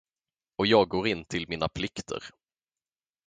Och jag går in till mina plikter.